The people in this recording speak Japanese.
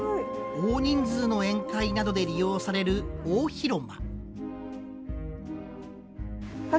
大人数の宴会などで利用される大広間。